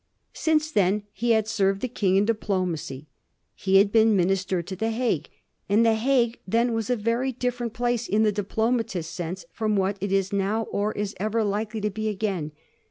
Since then he had served the King in diplomacy. He had been Minister to the Hague, and the Hague then was a very different place, in the diplomatist's sense, from what it is now or is ever likely to be again.